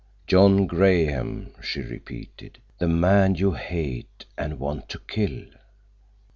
"John Graham," she repeated. "The man you hate and want to kill."